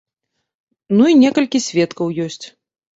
Ну і некалькі сведкаў ёсць.